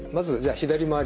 左回り。